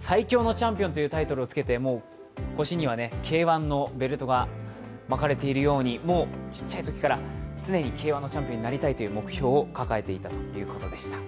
最強のチャンピオンというタイトルもつけて腰にはＫ−１のベルトが巻かれているようにもう、小さいときから常にＫ−１のチャンピオンになりたいという夢を抱えていました。